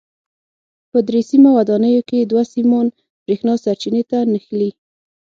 په درې سیمه ودانیو کې دوه سیمان برېښنا سرچینې ته نښلي.